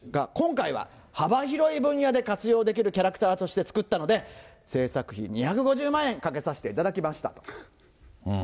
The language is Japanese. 今回は、幅広い分野で活用できるキャラクターとして作ったので、製作費２５０万円かけさせていただきましたと。